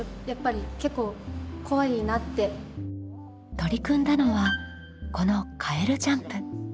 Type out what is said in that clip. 取り組んだのはこのカエルジャンプ。